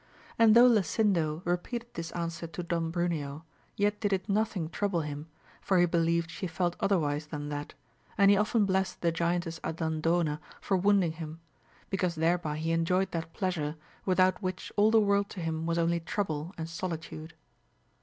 And though Lasindo repeated this answer to Don Bruneo, yet did it nothing trouble him, for he believed she felt otherwise than that, and he often blessed the giantess Andandona for wounding him, because thereby he enjoyed that pleasure, without which all the world to him was only trouble and solitude.